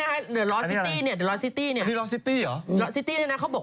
อันนี้อันนี้นะครับ